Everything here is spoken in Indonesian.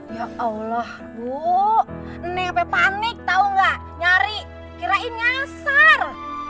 ya allah bu nek sampe panik tau gak nyari kirain nyasar